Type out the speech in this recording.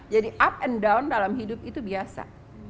jadi up and down dalam hidup itu biasa